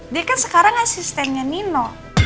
dia kan sekarang asistennya nino